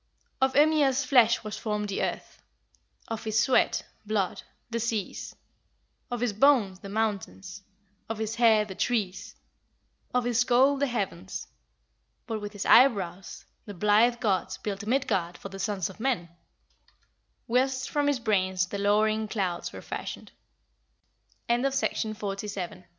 "Of Ymir's flesh was formed the earth; of his sweat (blood), the seas; of his bones, the mountains; of his hair the trees; of his skull, the heavens; but with his eyebrows the blithe gods built Midgard for the sons of men, whilst from his brains the lowering clouds were fashioned." OF THE FORMATION OF